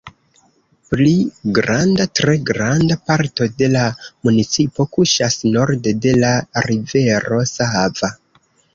Pli granda, tre granda parto de la municipo kuŝas norde de la Rivero Sava.